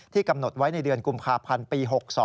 กำหนดไว้ในเดือนกุมภาพันธ์ปี๖๒